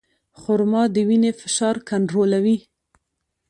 خرما د وینې فشار کنټرولوي.